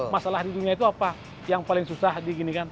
masalah di dunia itu apa yang paling susah dikini kan